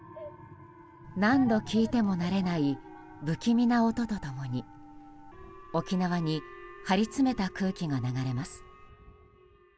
何度聞いても慣れない不気味な音と共に沖縄に張り詰めた空気が流れます。